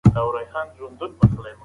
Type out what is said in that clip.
د نجونو ښوونه د ګډو موخو منل اسانه کوي.